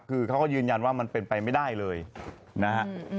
คือเขาก็ยืนยันว่ามันเป็นไปไม่ได้เลยนะฮะ